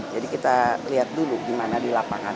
jadi kita lihat dulu gimana di lapangan